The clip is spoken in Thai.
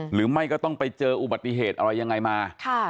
หรือไม่ก็ต้องไปเจออุบัติเหตุอะไรยังไงมา